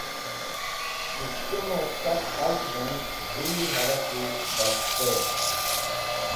Ce Shum et Shak Khalgven Dhir Halki Bafter